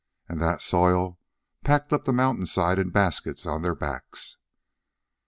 And that soil, packed up the mountainsides in baskets on their backs!